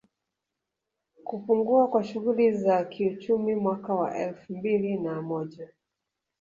Kupungua kwa shughuli za kiuchumi Mwaka wa elfumbili na moja